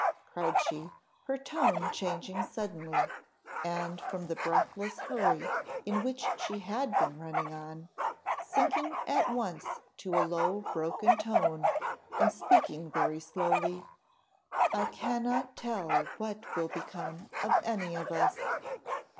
cried she, her tone changing suddenly; and, from the breathless hurry in which she had been running on, sinking at once to a low broken tone, and speaking very slowly. "I cannot tell what will become of any of us.